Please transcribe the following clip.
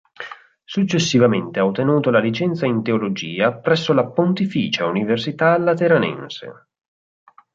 Successivamente ha ottenuto la licenza in teologia presso la Pontificia Università Lateranense.